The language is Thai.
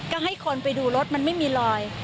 ก็ให้คนไปดูรถมันไม่มีรอย